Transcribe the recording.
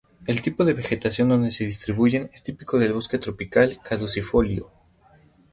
El tipo de vegetación donde se distribuyen es típica del bosque tropical caducifolio.